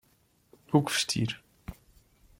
O que vestir